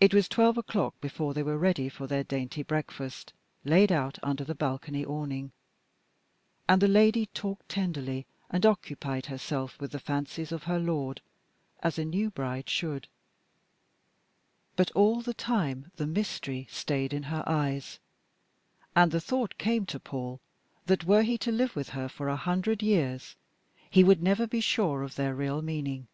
It was twelve o'clock before they were ready for their dainty breakfast, laid out under the balcony awning. And the lady talked tenderly and occupied herself with the fancies of her lord, as a new bride should. But all the time the mystery stayed in her eyes. And the thought came to Paul that were he to live with her for a hundred years, he would never be sure of their real meaning.